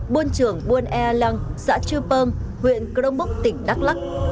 buôn trưởng buôn ea lăng xã chư pơm huyện cơ đông bốc tỉnh đắk lắc